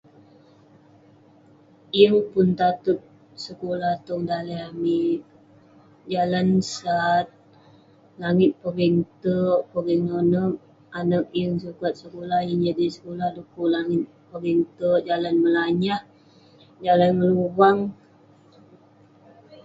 Yeng pun tateg sekulah tong daleh amik. Jalan sat. Langit pogeng te'erk, pogeng nonep. Ireh anag yeng sukat sekulah, yeng jadi tai sekulah dekuk langit pogeng te'erk ; jalan melanyah, jalan ngeluvang.